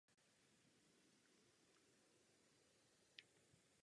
Tyto části jsou následně seřazeny.